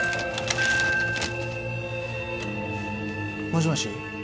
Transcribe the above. もしもし。